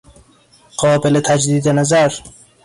قابل تجدید نظر